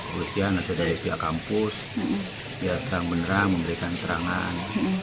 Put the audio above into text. polisian atau dari pihak kampus biar terang benerang memberikan keterangan